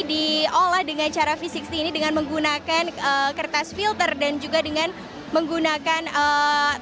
diolah dengan cara v enam puluh ini dengan menggunakan kertas filter dan juga dengan menggunakan ee